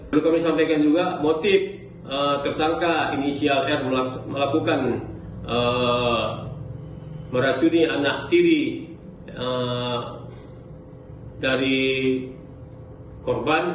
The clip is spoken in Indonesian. lalu kami sampaikan juga motif tersangka inisial r melakukan meracuni anak tiri dari korban